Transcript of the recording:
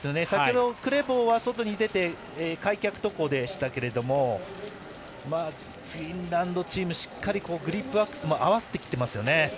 先ほどクレボは外に出て開脚徒歩でしたけどフィンランドチーム、しっかりグリップワックスも合わせてきてますよね。